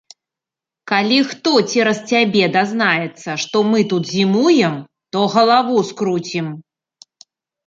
Калі хто цераз цябе дазнаецца, што мы тут зімуем, то галаву скруцім.